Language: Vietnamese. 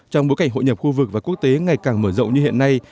trong bối cảnh hội nhập khu vực và quốc tế ngày càng mở rộng như hiện nay